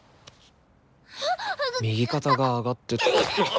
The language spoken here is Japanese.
右肩が上がって。